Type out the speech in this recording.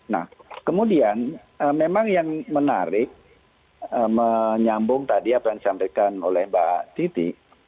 nah kemudian memang yang menarik menyambung tadi apa yang disampaikan oleh mbak titi